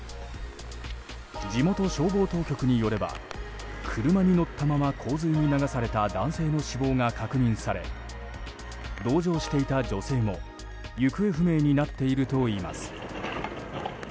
地元消防当局によれば車に乗ったまま洪水に流された男性の死亡が確認され同乗していた女性も行方不明になっているといいます。